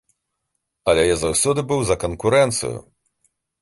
Але я заўсёды быў за канкурэнцыю.